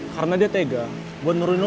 karena dia tega buat neruni lo